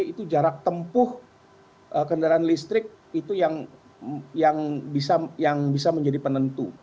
itu jarak tempuh kendaraan listrik itu yang bisa menjadi penentu